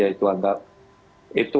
itu anggapan saja itu